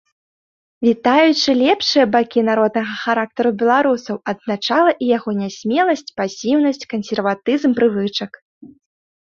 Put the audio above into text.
Вітаючы лепшыя бакі народнага характару беларусаў, адзначала і яго нясмеласць, пасіўнасць, кансерватызм прывычак.